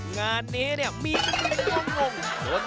งานนี้เนี่ยมีความต้องงง